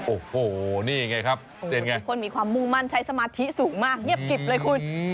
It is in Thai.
โอ้โหนี่ไงครับเป็นไงคนมีความมุ่งมั่นใช้สมาธิสูงมากเงียบกิบเลยคุณ